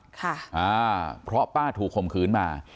ค่ะอ่าเพราะป้าถูกข่มขืนมา